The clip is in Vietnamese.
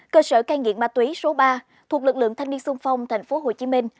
cơ sở cai nghiện ma túy số ba thuộc lực lượng thanh niên sung phong thành phố hồ chí minh